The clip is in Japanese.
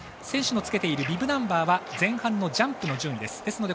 選手のつけているビブナンバーは前半のジャンプの順位です。